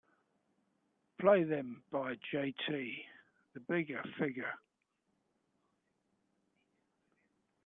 Play them by Jt The Bigga Figga.